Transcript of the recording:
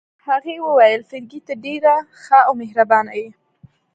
هغې وویل: فرګي، ته ډېره ښه او مهربانه يې.